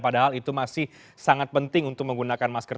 padahal itu masih sangat penting untuk menggunakan masker